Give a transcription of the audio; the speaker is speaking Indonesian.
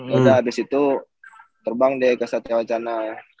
udah abis itu terbang deh ke satya wacana